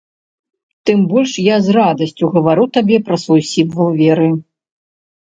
Тым больш я з радасцю гавару табе пра свой сімвал веры.